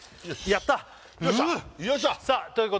やった！